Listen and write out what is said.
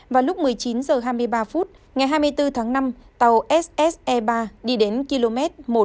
vào lúc một mươi chín h hai mươi ba ngày hai mươi bốn tháng năm tàu sse ba đi đến km một năm trăm năm mươi